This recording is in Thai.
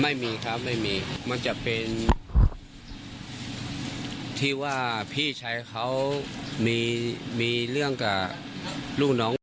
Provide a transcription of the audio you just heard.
ไม่มีครับไม่มีมันจะเป็นที่ว่าพี่ชายเขามีเรื่องกับลูกน้อง